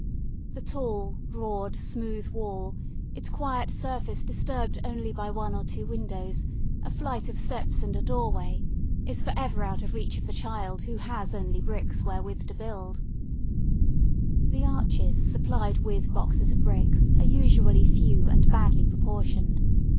The tall broad smooth wall, its quiet surface disturbed only by one or two windows, a flight of steps and a doorway, is for ever out of reach of the child who has only bricks wherewith to build. [Illustration: SHELL ARCHES] The arches supplied with boxes of bricks are usually few and badly proportioned.